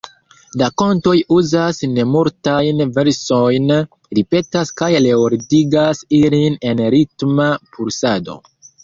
La kantoj uzas nemultajn versojn, ripetas kaj reordigas ilin en ritma pulsado.